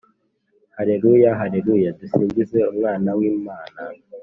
Haleluya, Haleluya, Dusingiz’ Umwana w’ Imana